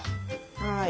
はい。